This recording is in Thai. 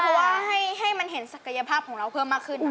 เพราะว่าให้มันเห็นศักยภาพของเราเพิ่มมากขึ้น